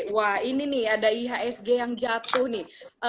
wah ini nih ada ihsg yang jatuh nih